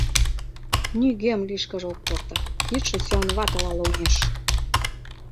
Нигӧм лишкыже ок пурто, кидше сӱанватыла лоҥеш.